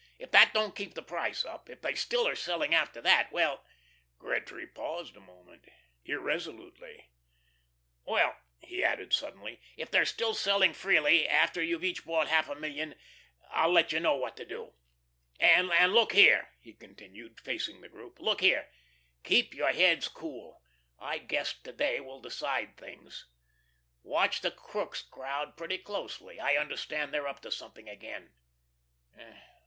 If that don't keep the price up, if they still are selling after that ... well"; Gretry paused a moment, irresolutely, "well," he added suddenly, "if they are still selling freely after you've each bought half a million, I'll let you know what to do. And, look here," he continued, facing the group, "look here keep your heads cool ... I guess to day will decide things. Watch the Crookes crowd pretty closely. I understand they're up to something again.